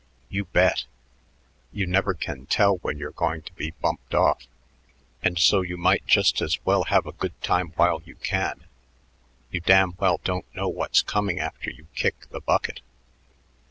You bet. You never can tell when you're going to be bumped off, and so you might just as well have a good time while you can. You damn well don't know what's coming after you kick the bucket."